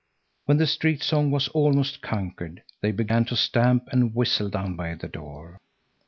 When the street song was almost conquered, they began to stamp and whistle down by the door.